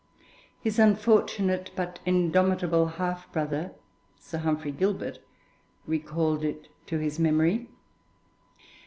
His unfortunate but indomitable half brother, Sir Humphrey Gilbert, recalled it to his memory.